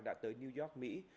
đã tới new york mỹ